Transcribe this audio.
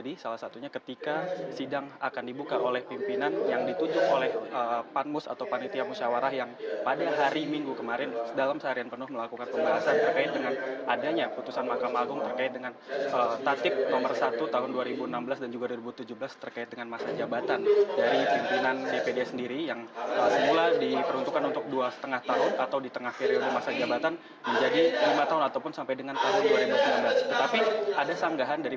di ruang sidang paripurna dpd